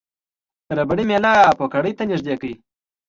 ربړي میله پوکڼۍ ته نژدې کړئ.